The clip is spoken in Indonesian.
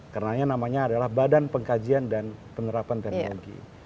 karena namanya adalah badan pengkajian dan penerapan teknologi